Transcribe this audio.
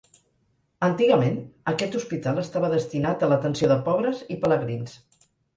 Antigament, aquest hospital estava destinat a l'atenció de pobres i pelegrins.